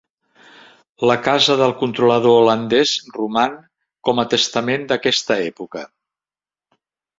La casa del controlador holandès roman, com a testament d'aquesta època.